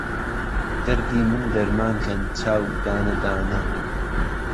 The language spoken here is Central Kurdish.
دهردی من دهرمان کهن، چاو دانهدانه